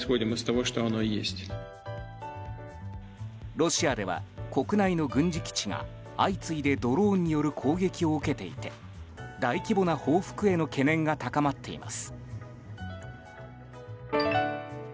ロシアでは国内の軍事基地が相次いでドローンによる攻撃を受けていて大規模な報復への懸念が高まっています。